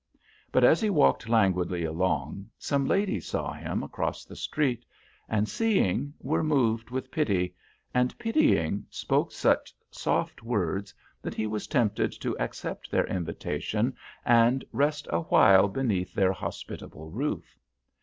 But as he walked languidly along, some ladies saw him across the street, and seeing, were moved with pity, and pitying, spoke such soft words that he was tempted to accept their invitation and rest awhile beneath their hospitable roof.